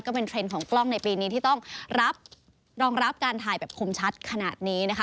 ก็เป็นเทรนด์ของกล้องในปีนี้ที่ต้องรับรองรับการถ่ายแบบคมชัดขนาดนี้นะคะ